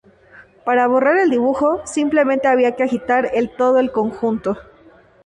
Para borrar el dibujo, simplemente había que agitar el todo el conjunto.